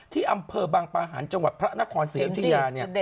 ที่อำเภอบังปะหันต์จังหวัดพระนครศรีอยุธยาเนี่ย